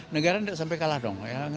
negara tidak sampai kalah dong